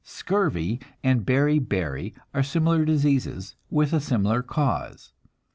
Scurvy and beri beri are similar diseases, with a similar cause.